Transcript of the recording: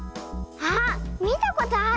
あっみたことある！